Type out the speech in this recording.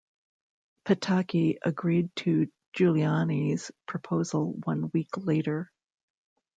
Pataki agreed to Giuliani's proposal one week later.